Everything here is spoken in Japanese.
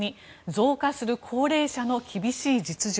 増加する高齢者の厳しい実情。